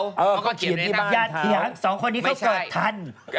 เขาก็เขียนในถ้ำ